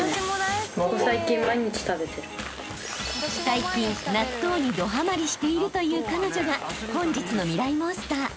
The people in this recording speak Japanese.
［最近納豆にドはまりしているという彼女が本日のミライ☆モンスター］